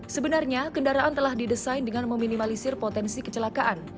sebenarnya kendaraan telah didesain dengan meminimalisir potensi kecelakaan